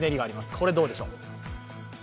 これどうでしょう？